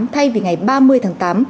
thay vì ngày ba mươi tháng tám